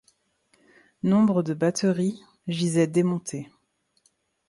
Nombre de batteries gisaient démontées.